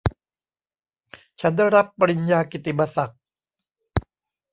ฉันได้รับปริญญากิตติมศักดิ์